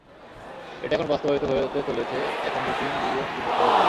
এখন এটা বাস্তবায়িত হতে চলেছে, এখন দু-তিন বিলিয়ন বিনিয়োগ করা হচ্ছে।